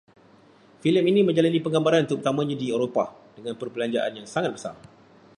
Filem ini menjalani penggambaran terutamanya di Eropah, dengan perbelanjaan yang sangat besar